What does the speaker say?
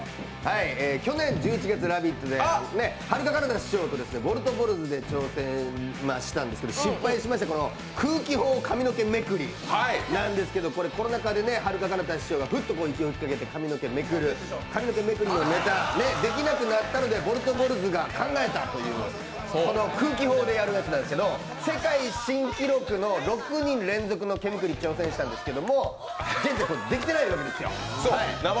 去年１１月、「ラヴィット！」ではるか・かなた師匠とボルトボルズで挑戦したんですけど、失敗しました空気砲髪の毛めくりなんですけどこれコロナ禍ではるか・かなた師匠がフッと息を吹きかけて髪の毛めくる、髪の毛めくりのネタできなくなったのでボルトボルズが考えたという、この空気砲でやるやつなんですけど世界新記録の６人連続のめくりに挑戦したんですけど、できなかったんですよ。